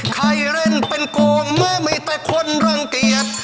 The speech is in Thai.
ใครเล่นเป็นกวงไม่มีแต่คนรังเกียจ